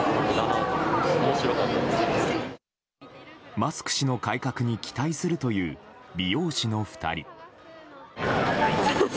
マスク氏の改革に期待するという美容師の２人。